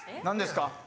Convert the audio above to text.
何ですか？